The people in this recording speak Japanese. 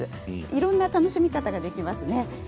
いろんな楽しみ方ができますね。